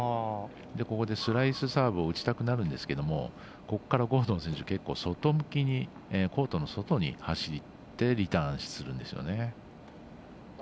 ここでスライスサーブを打ちたくなるんですけどここからゴードン選手コートの外に向かってリターンするんですよね。